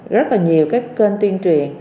rất là nhiều cái kênh tuyên truyền